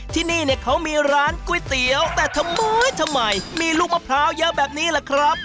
ที่นี่เนี่ยเขามีร้านก๋วยเตี๋ยวแต่ทำไมทำไมมีลูกมะพร้าวเยอะแบบนี้ล่ะครับ